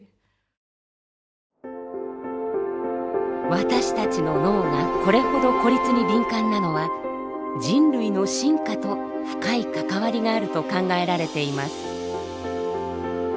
私たちの脳がこれほど孤立に敏感なのは人類の進化と深い関わりがあると考えられています。